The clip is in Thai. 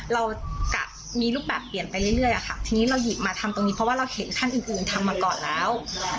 เรากะมีรูปแบบเปลี่ยนไปเรื่อยอะค่ะทีนี้เราหยิบมาทำตรงนี้เพราะว่าเราเห็นขั้นอื่นทำมาก่อนแล้ว